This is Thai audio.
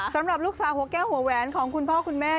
สำหรับลูกสาวหัวแก้วหัวแหวนของคุณพ่อคุณแม่